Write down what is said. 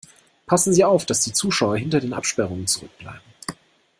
Passen Sie auf, dass die Zuschauer hinter den Absperrungen zurückbleiben.